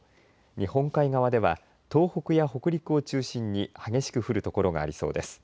日本海側では東北や北陸を中心に激しく降るところがありそうです。